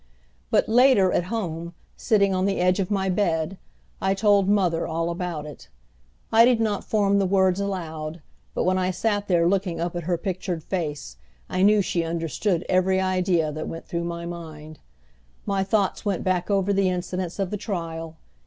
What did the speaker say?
But later, at home, sitting on the edge of my bed, I told mother all about it. I did not form the words aloud, but when I sat there looking up at her pictured face I knew she understood every idea that went through my mind. My thoughts went back over the incidents of the trial.